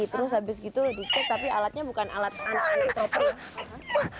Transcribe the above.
terus habis gitu di cek tapi alatnya bukan alat tante